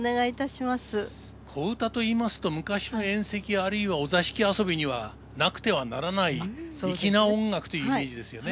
小唄といいますと昔の宴席あるいはお座敷遊びにはなくてはならない粋な音楽というイメージですよね。